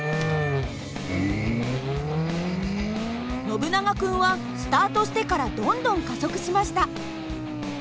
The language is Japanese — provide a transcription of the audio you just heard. ノブナガ君はスタートしてからどんどん加速しました。